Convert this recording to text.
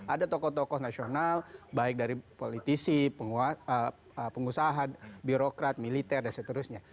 ada tokoh tokoh nasional baik dari politisi pengusaha birokrat militer dan seterusnya